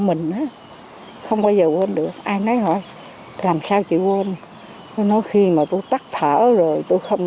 mình không bao giờ quên được ai nấy hỏi làm sao chị quên nói khi mà tôi tắt thở rồi tôi không